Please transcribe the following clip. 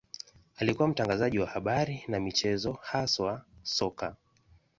Alikuwa mtangazaji wa habari na michezo, haswa soka.